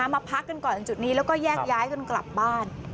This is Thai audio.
มาพักกันก่อนตรงจุดนี้แล้วก็แยกย้ายกันกลับบ้าน